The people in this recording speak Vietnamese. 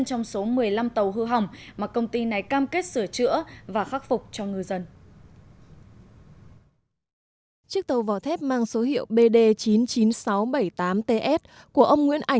trong số một mươi năm tàu hư hỏng mà công ty này cam kết sửa chữa và khắc phục cho ngư dân